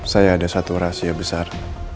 saya ada satu rahasia besar